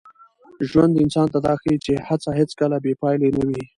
ژوند انسان ته دا ښيي چي هڅه هېڅکله بې پایلې نه وي.